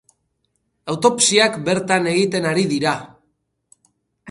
Autopsiak bertan egiten ari dira.